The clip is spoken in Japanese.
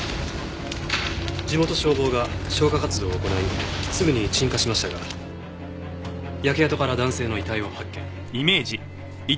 地元消防が消火活動を行いすぐに鎮火しましたが焼け跡から男性の遺体を発見。